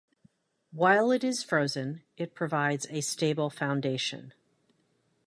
While it is frozen, it provides a stable foundation.